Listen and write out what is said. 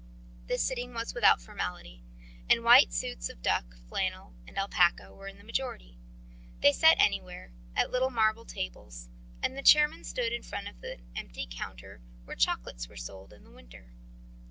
The sitting was without formality, and white suits of duck, flannel and alpaca were in the majority. They sat anywhere, at little marble tables, and the chairman stood in front of an empty counter where chocolates were sold in the winter.